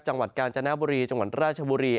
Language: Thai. จังหวัดกาญจนบุรีจังหวัดราชบุรี